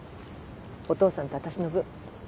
お父さんと私の分。